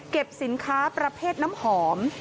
สินค้าประเภทน้ำหอม